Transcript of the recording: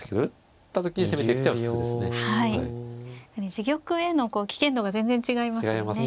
自玉への危険度が全然違いますよね。